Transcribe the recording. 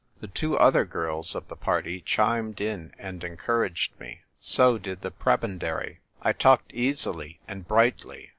The two other girls of the party chimed in and encouraged me. So did the prebendary ; I talked easily and brightly.